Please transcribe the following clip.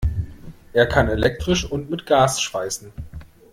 Er kann elektrisch und mit Gas schweißen.